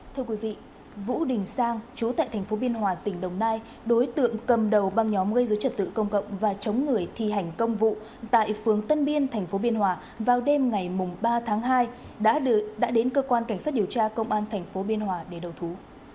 thưa quý vị vũ đình sang chú tại thành phố biên hòa tỉnh đồng nai đối tượng cầm đầu băng nhóm gây dối trật tự công cộng và chống người thi hành công vụ tại phường tân biên tp biên hòa vào đêm ngày ba tháng hai đã đến cơ quan cảnh sát điều tra công an tp biên hòa để đầu thú